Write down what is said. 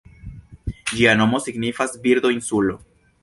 Ĝia nomo signifas "Birdo-insulo".